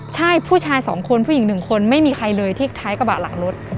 ใช่ผู้ชายสองคนผู้หญิง๑คนไม่มีใครเลยที่ท้ายกระบะหลังรถ